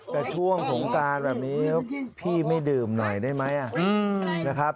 แต่ช่วงสงการแบบนี้พี่ไม่ดื่มหน่อยได้ไหมนะครับ